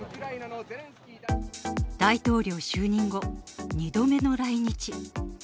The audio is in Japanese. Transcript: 大統領就任後、２度目の来日。